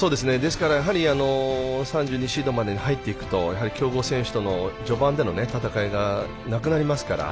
ですから、やはり３２シードまでに入っていくと強豪選手との序盤での戦いがなくなりますからね。